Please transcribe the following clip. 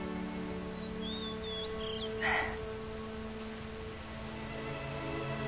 はあ。